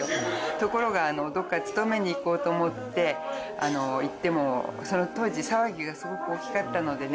ところがどっか勤めにいこうと思って行ってもその当時騒ぎがすごく大きかったのでね